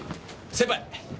先輩！